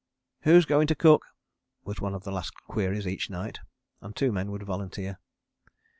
"Who's going to cook?" was one of the last queries each night, and two men would volunteer.